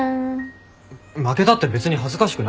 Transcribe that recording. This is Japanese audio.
負けたって別に恥ずかしくないだろ。